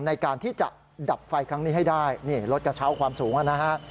ในการที่จะดับไฟครั้งนี้ให้ได้นี่รถกระเช้าความสูงนะฮะ